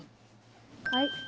はい。